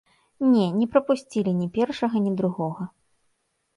Не, не прапусцілі ні першага, ні другога.